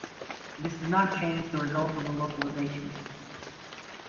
This does not change the result of the localization.